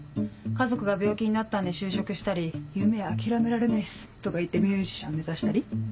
家族が病気になったんで就職したり「夢諦められないっす」とか言ってミュージシャン目指したり。